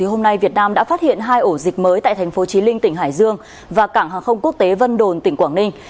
hôm nay việt nam đã phát hiện hai ổ dịch mới tại tp chí linh tỉnh hải dương và cảng hàng không quốc tế vân đồn tỉnh quảng ninh